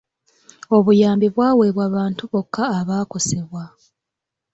Obuyambi bwaweebwa bantu bokka abaakosebwa.